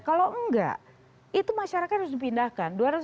kalau enggak itu masyarakat harus dipindahkan